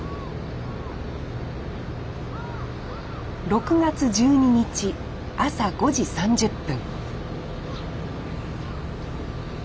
６月１２日朝５時３０分